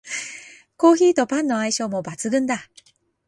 コーヒーとパンの相性も抜群だ